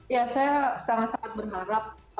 ya saya sangat sangat berharap